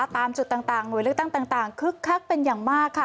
ตามจุดต่างหน่วยเลือกตั้งต่างคึกคักเป็นอย่างมากค่ะ